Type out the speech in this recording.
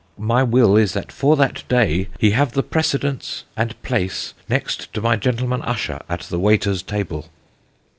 My will is that for that day he have the precedence and place next to my Gentleman Usher at the wayter's table.